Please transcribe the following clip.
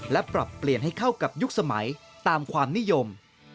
และปรับเปลี่ยนให้เข้ากับยุคสมัยตามความนิยม